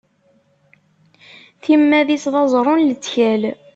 Timad-is d aẓṛu n lettkal.